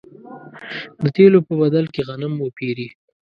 د تېلو په بدل کې غنم وپېري.